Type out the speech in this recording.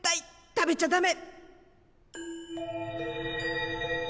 食べちゃダメ。